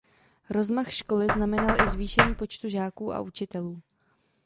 Rozmach školy znamenal i zvýšení počtu žáků a učitelů.